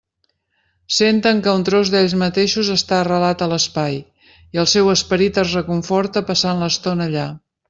Senten que un tros d'ells mateixos està arrelat a l'espai, i el seu esperit es reconforta passant l'estona allà.